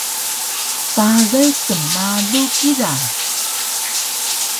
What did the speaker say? Tagay knmalu kida!